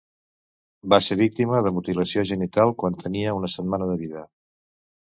Va ser víctima de mutilació genital quan tenia una setmana de vida.